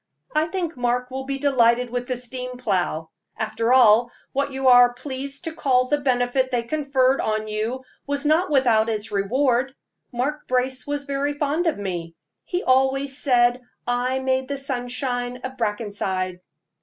I think Mark will be delighted with the steam plow. After all, what you are pleased to call the benefit they conferred on you was not without its reward. Mark Brace was very fond of me he always said I made the sunshine of Brackenside."